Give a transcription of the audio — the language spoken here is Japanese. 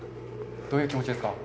どういう気持ちですか。